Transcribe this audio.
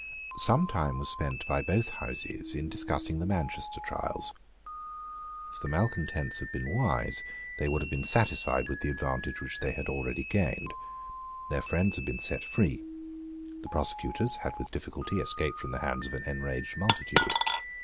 Some time was spent by both Houses in discussing the Manchester trials. If the malecontents had been wise, they would have been satisfied with the advantage which they had already gained. Their friends had been set free. The prosecutors had with difficulty escaped from the hands of an enraged multitude.